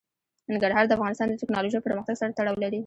ننګرهار د افغانستان د تکنالوژۍ پرمختګ سره تړاو لري.